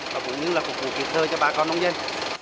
và cũng như là cục cục thiệt thơ cho bà con nông dân